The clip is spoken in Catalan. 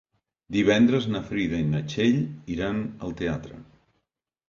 Divendres na Frida i na Txell iran al teatre.